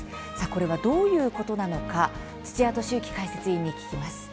これは、どういうことなのか土屋敏之解説委員に聞きます。